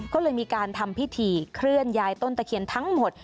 ก็เลยมีการทำพิธีเคลื่อนย้ายต้นตะเคียนทั้งหมด